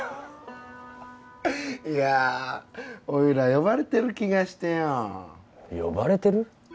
いやおいら呼ばれてる気がしてよ呼ばれてる？